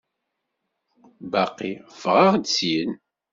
Baqi ffɣeɣ-d syin.